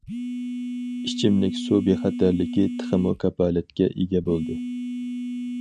ئىچىملىك سۇ بىخەتەرلىكى تېخىمۇ كاپالەتكە ئىگە بولدى.